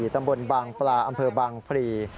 ตำบลบางปลาอำเภอบางพรี